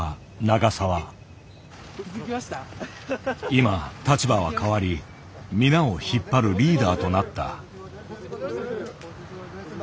今立場は変わり皆を引っ張るリーダーとなった。